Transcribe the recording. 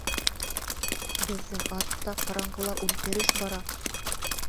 — Беҙҙең артта, ҡараңғыла, үлтереш бара!